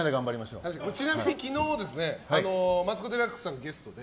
ちなみに昨日マツコ・デラックスさんがゲストで。